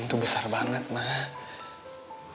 lima m tuh besar banget maaah